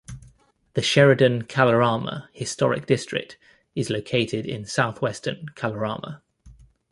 The Sheridan-Kalorama Historic District is located in southwestern Kalorama.